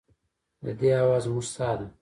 د دې هوا زموږ ساه ده؟